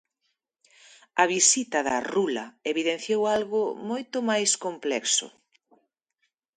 A visita da Rula evidenciou algo moito máis complexo.